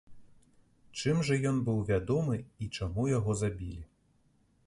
Чым жа ён быў вядомы і чаму яго забілі?